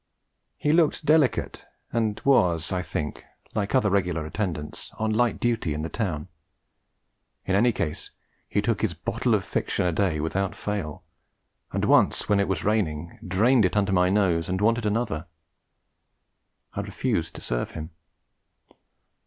He looked delicate, and was, I think, like other regular attendants, on light duty in the town; in any case he took his bottle of fiction a day without fail, and once, when it was raining, drained it under my nose and wanted another. I refused to serve him.